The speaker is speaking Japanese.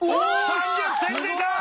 ３０点出た！